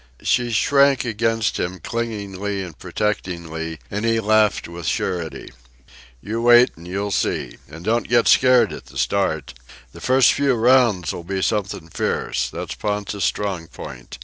She shrank against him, clingingly and protectingly, and he laughed with surety. "You wait, and you'll see. An' don't get scared at the start. The first few rounds'll be something fierce. That's Ponta's strong point.